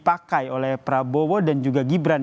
dipakai oleh prabowo dan juga gibran